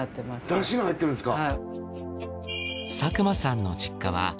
だしが入ってるんですか。